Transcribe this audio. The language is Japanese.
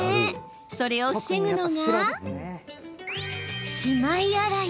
それを防ぐのが、しまい洗い。